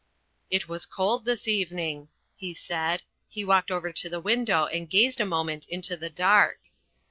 "It was cold this evening," he said. He walked over to the window and gazed a moment into the dark.